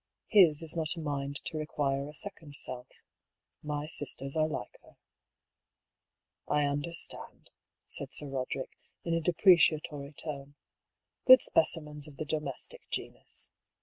His is not a mind to require a second self. My sisters are like her." " I understand," said Sir Roderick, in a depreciatory tone. " Good specimens of the domestic genus.